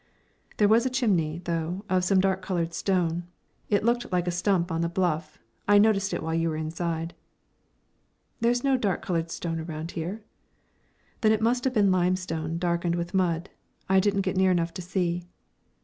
"There was a chimney, though, of some dark coloured stone. It looked like a stump on the bluff. I noticed it while you were inside." "There's no dark coloured stone around here." "Then it must have been limestone darkened with mud. I didn't get near enough to see."